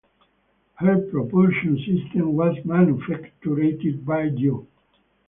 Her propulsion system was manufactured by Gio.